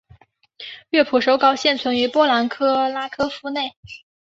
乐谱手稿现存于波兰克拉科夫内。